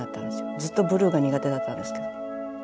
ずっとブルーが苦手だったんですけど。